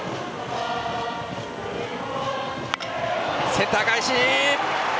センター返し！